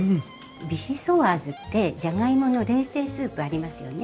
ビシソワーズってじゃがいもの冷製スープありますよね。